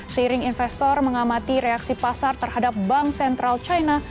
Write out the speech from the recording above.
seiring investor mengamati reaksi pasar terhadap bank sentral china